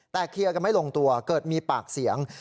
แต่เคลียร์กันไม่ลงตัวเกิดมีปากเสียง